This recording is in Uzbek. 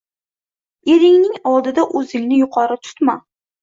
Eringning oldida o‘zingni yuqori tutma.